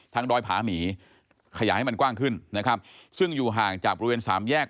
ดอยผาหมีขยายให้มันกว้างขึ้นนะครับซึ่งอยู่ห่างจากบริเวณสามแยก